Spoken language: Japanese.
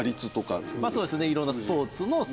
そうですねいろんな。